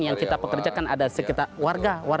yang kita pekerjakan ada sekitar warga